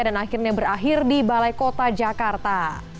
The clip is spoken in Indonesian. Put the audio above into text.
dan akhirnya berakhir di balai kota jakarta